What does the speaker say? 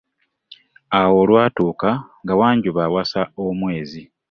Awo olwatuuka nga Wanjuba awasa omwezi.